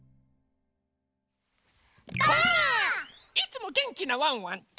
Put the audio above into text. いつもげんきなワンワンと。